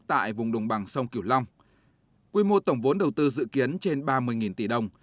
tại vùng đồng bằng sông kiểu long